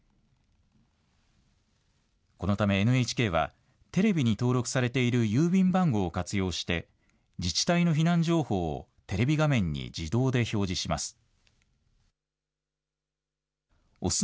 このためＮＨＫは、テレビに登録されている郵便番号を活用して、自治体の避難情報をテレビ画面に自動で表示します。